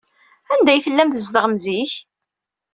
Anda ay tellam tzedɣem zik?